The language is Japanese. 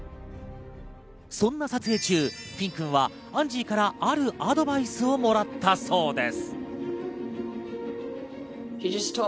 そんな撮影中、フィン君はアンジーからあるアドバイスをもらったそうです。